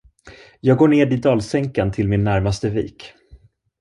Jag går ned i dalsänkan till min närmaste vik.